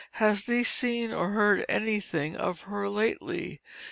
Has thee seen, or heard anything of her lately?